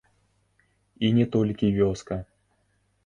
І не толькі вёска.